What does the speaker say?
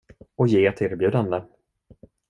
Och ge ett erbjudande.